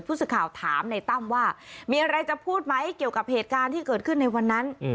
ผู้สื่อข่าวถามในตั้มว่ามีอะไรจะพูดไหมเกี่ยวกับเหตุการณ์ที่เกิดขึ้นในวันนั้น